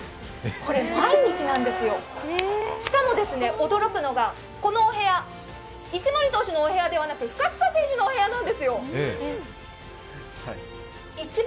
これ毎日なんですよ、しかも驚くのがこのお部屋、石森選手のお部屋ではなくて深草選手のお部屋なんですよ。